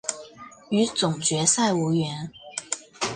与总决赛无缘。